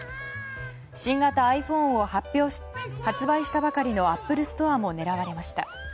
新型ｉＰｈｏｎｅを発売したばかりのアップルストアも狙われました。